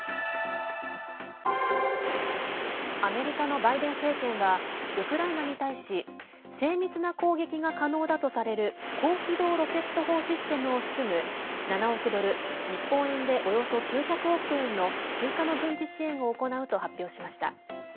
アメリカのバイデン政権はウクライナに対し精密な攻撃が可能だとされる高機動ロケット砲システムを含む７億ドル日本円でおよそ９００億円の追加の軍事支援を行うと発表しました。